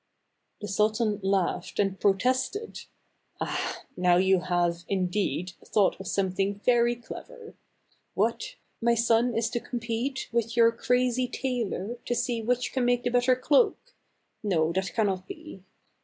The sultan laughed and protested, " Ah ! now you have, indeed, thought of something very clever. What ? My son is to compete with your crazy tailor to see which can make the better cloak ? No, that cannot be."